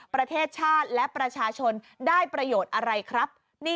ประเทศชาติและประชาชนได้ประโยชน์อะไรครับ